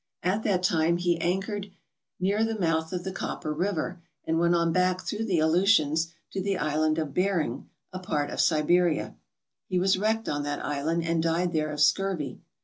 At that time he anchored near the mouth of the Copper River and went on back through the Aleutians to the Island of Bering, a part of Siberia. He was wrecked on that island and died there of scurvy.